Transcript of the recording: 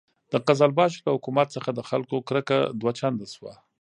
د قزلباشو له حکومت څخه د خلکو کرکه دوه چنده شوه.